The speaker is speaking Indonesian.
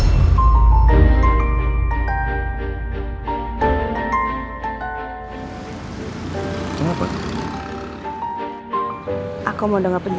apa yang akan kamu lakukan kepadaku